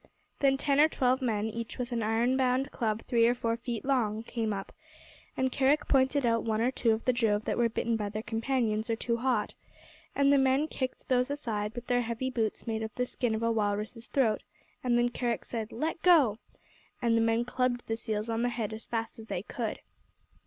Then ten or twelve men, each with an iron bound club three or four feet long, came up, and Kerick pointed out one or two of the drove that were bitten by their companions or too hot, and the men kicked those aside with their heavy boots made of the skin of a walrus's throat, and then Kerick said, "Let go!" and then the men clubbed the seals on the head as fast as they could.